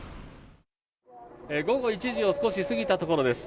午後１時を少し過ぎたところです。